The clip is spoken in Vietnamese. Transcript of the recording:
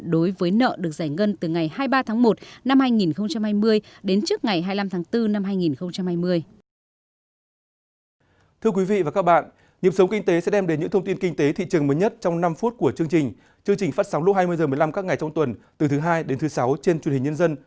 đối với nợ được giải ngân từ ngày hai mươi ba tháng một năm hai nghìn hai mươi đến trước ngày hai mươi năm tháng bốn năm hai nghìn hai mươi